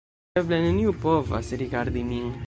Eble, neniu povas rigardi min